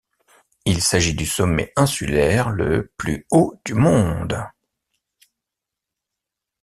Il s'agit du sommet insulaire le plus haut du monde.